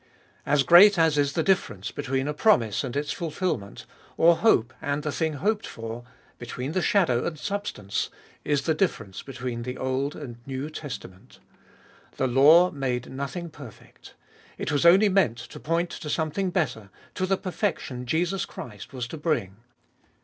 As great as is the difference between a promise and its fulfil ment, or hope and the thing hoped for, between the shadow and substance, is the difference between the Old and New Testament. The law made nothing perfect : it was only meant to point to something better, to the perfection Jesus Christ was to bring.